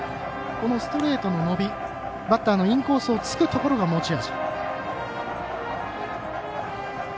このストレートの伸びバッターのインコースをつくところが持ち味。